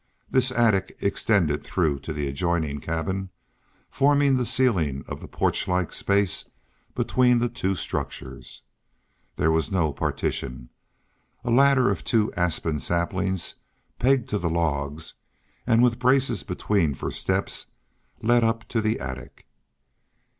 This attic extended through to the adjoining cabin, forming the ceiling of the porch like space between the two structures. There was no partition. A ladder of two aspen saplings, pegged to the logs, and with braces between for steps, led up to the attic.